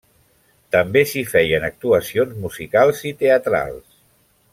També s'hi feien actuacions musicals i teatrals.